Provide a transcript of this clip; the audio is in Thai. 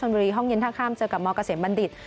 บุรีห้องเย็นท่าข้ามเจอกับมเกษมบัณฑิต